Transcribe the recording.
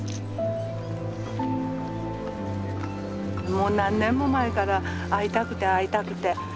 もう何年も前から会いたくて会いたくて。